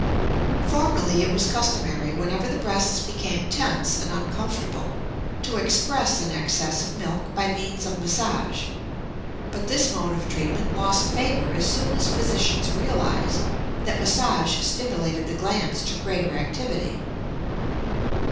Formerly it was customary, whenever the breasts became tense and uncomfortable, to express an excess of milk by means of massage; but this mode of treatment lost favor as soon as physicians realized that massage stimulated the glands to greater activity.